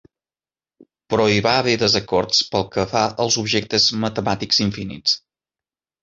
Però hi va haver desacords pel que fa als objectes matemàtics infinits.